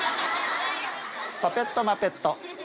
パペットマペット。